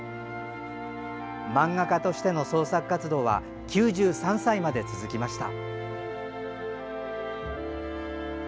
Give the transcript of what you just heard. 漫画家としての創作活動は９３歳まで続きました。